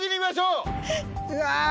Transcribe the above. うわ！